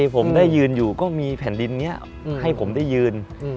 ผมได้ยืนอยู่ก็มีแผ่นดินนี้ให้ผมได้ยืน